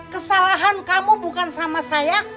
kesalahan kamu bukan sama saya